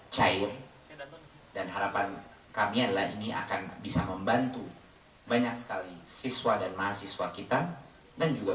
cair dan harapan kami adalah ini akan bisa membantu banyak sekali siswa dan mahasiswa kita dan juga